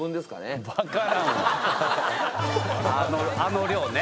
あの量ね。